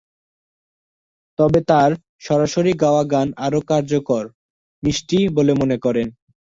তবে তাঁর সরাসরি গাওয়া গান আরও কার্যকর, "মিষ্টি" বলে মনে করেন।